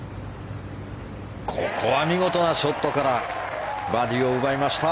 ここは見事なショットからバーディーを奪いました。